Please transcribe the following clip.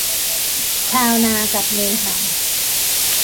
ชาวนากับงูเห่า